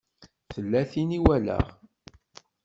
Tella tin i walaɣ.